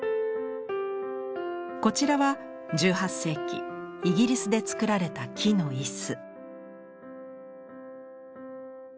こちらは１８世紀イギリスで作られた木の椅子。